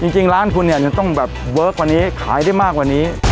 จริงร้านคุณเนี่ยจะต้องแบบเวิร์คกว่านี้ขายได้มากกว่านี้